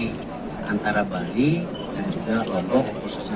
jadi kita melakukan ini untuk antara bali dan juga lombok khususnya mandalika